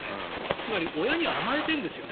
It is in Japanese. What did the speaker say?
つまり親に甘えているんですよね。